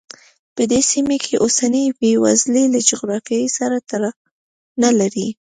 په دې سیمه کې اوسنۍ بېوزلي له جغرافیې سره تړاو نه لري.